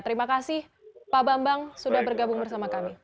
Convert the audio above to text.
terima kasih pak bambang sudah bergabung bersama kami